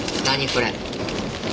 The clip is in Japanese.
これ。